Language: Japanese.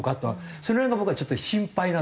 その辺が僕はちょっと心配なんですよね。